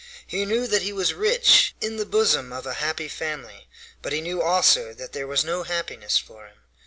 He knew that he was rich, in the bosom of a happy family, but he knew also that there was no happiness for him.